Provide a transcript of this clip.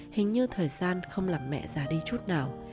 hình như thời gian không làm mẹ già đi chút nào